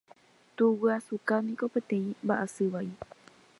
Tuguyasuka niko peteĩ mba'asy vai.